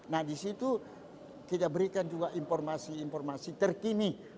nah disitu kita berikan juga informasi informasi terkini